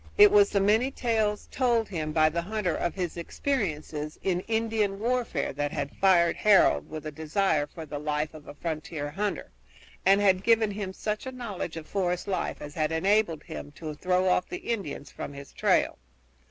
It was the many tales told him by the hunter of his experiences in Indian warfare that had fired Harold with a desire for the life of a frontier hunter, and had given him such a knowledge of forest life as had enabled him to throw off the Indians from his trail.